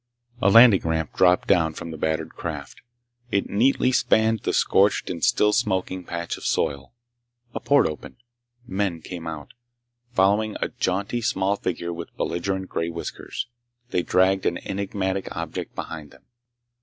A landing ramp dropped down from the battered craft. It neatly spanned the scorched and still smoking patch of soil. A port opened. Men came out, following a jaunty small figure with belligerent gray whiskers. They dragged an enigmatic object behind them.